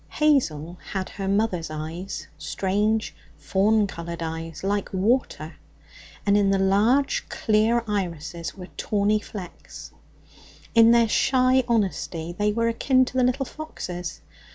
Hazel had her mother's eyes, strange, fawn coloured eyes like water, and in the large clear irises were tawny flecks. In their shy honesty they were akin to the little fox's.